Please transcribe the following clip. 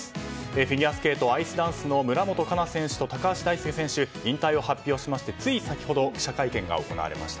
フィギュアスケートアイスダンス村元哉中選手と高橋大輔選手が引退を発表しましてつい先ほど記者会見が行われました。